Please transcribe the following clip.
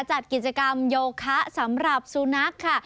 จัดกิจกรรมโยคะสำหรับสุนัขค่ะ